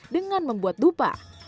dengan membuat dupa